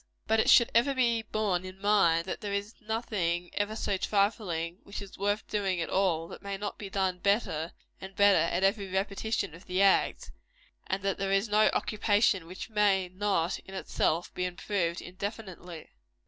But it should ever be borne in mind, that there is nothing ever so trifling, which is worth doing at all, that may not be done better and better at every repetition of the act; and that there is no occupation which may not, in itself, be improved indefinitely.